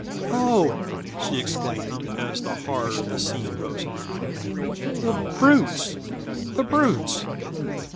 "Oh!" she exclaimed, as the horror of the scene rose in her mind. "The brutes! The brutes!"